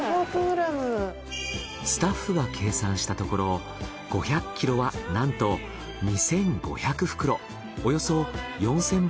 スタッフが計算したところ５００ｋｇはなんと２５００袋。